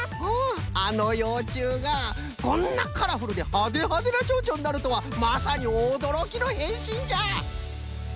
あのようちゅうがこんなカラフルでハデハデのチョウチョになるとはまさにおどろきのへんしんじゃ！